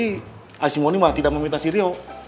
tapi si mondi mah tidak memfitnah si sirio